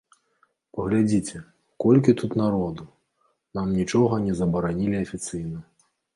Паглядзіце, колькі тут народу, нам нічога не забаранілі афіцыйна.